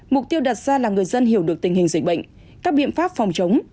mục tiêu đặt ra là người dân hiểu được tình hình dịch bệnh các biện pháp phòng chống